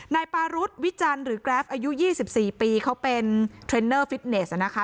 นายปรุษวิจัณห์หรือกราฟอายุยี่สิบสี่ปีเขาเป็นเทรนเนอร์ฟิตเนสนะคะ